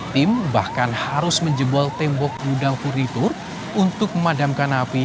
tim bahkan harus menjebol tembok gudang furnitur untuk memadamkan api